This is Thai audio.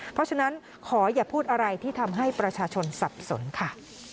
เพราะฉะนั้นขออย่าพูดอะไรที่ทำให้ประชาชนสับสนค่ะ